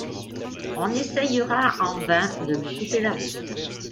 On essayera en vain de lui couper la route.